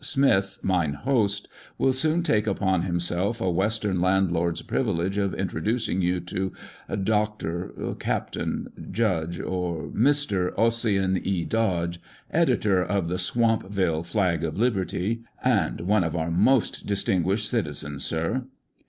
Smith, mine host, will soon take upon him self a western landlord's privilege, of introduc ing you to " Dr.," " Captain," " Judge," or " Mister Ossian E. Dodge, editor of the Swamp ville Flag of Liberty (and one of our most distinguished citizens, sir)."